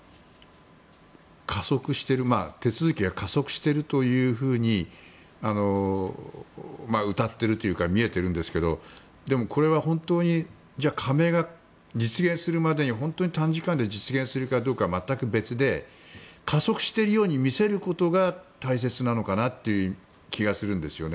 手続きが加速しているというふうにうたっているというか見えてるんですけどこれは本当に加盟が実現するまでに本当に短時間で実現するかどうかは全く別で加速しているように見せることが大切なのかなという気がするんですよね。